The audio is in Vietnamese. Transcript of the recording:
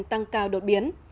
tăng cao đột biến